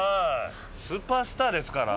スーパースターですから。